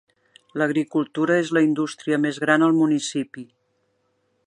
L'agricultura és la industria més gran al municipi.